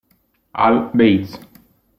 Al Bates